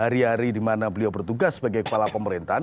dari dimana beliau bertugas sebagai kepala pemerintahan